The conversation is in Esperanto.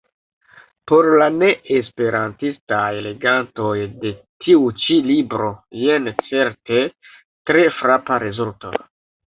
Por la ne-esperantistaj legantoj de tiu ĉi libro jen certe tre frapa rezulto.